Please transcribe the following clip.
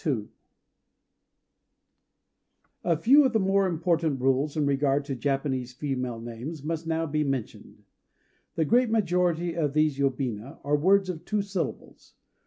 II A FEW of the more important rules in regard to Japanese female names must now be mentioned. The great majority of these yobina are words of two syllables.